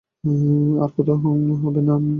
আর করতে হবে না, ভায়া।